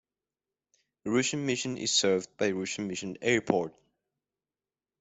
Russian Mission is served by Russian Mission Airport.